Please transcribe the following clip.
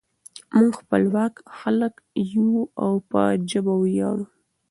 موږ خپلواک خلک یو او په ژبه ویاړو.